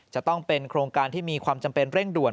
จะต้องเป็นโครงการที่มีความจำเป็นเร่งด่วน